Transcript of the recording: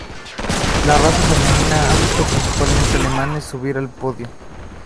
La raza femenina ha visto principalmente alemanes subir al podio.